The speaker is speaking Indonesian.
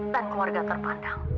dan keluarga terpandang